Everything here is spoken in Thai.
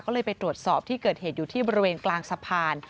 ก็เลยไปตรวจสอบที่เกิดเหตุอยู่ที่บริเวณกลางสะพาน